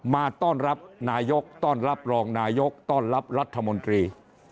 มาต้อนรับนายกรัฐมนตรีต้อนรับรองนายกรัฐมนตรีต้อนรับรัฐมนตรี